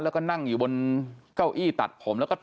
แล้วก็นั่งอยู่บนเก้าอี้ตัดผม